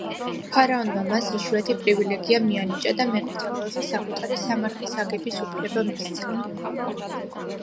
ფარაონმა მას იშვიათი პრივილეგია მიანიჭა და მეფეთა ველზე საკუთარი სამარხის აგების უფლება მისცა.